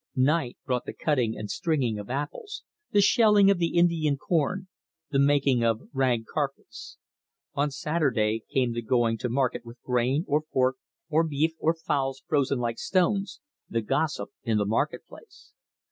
Night brought the cutting and stringing of apples, the shelling of the Indian corn, the making of rag carpets. On Saturday came the going to market with grain, or pork, or beef, or fowls frozen like stones; the gossip in the market place.